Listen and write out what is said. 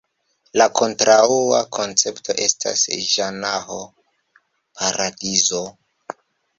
La kontraŭa koncepto estas Ĝanaho (paradizo).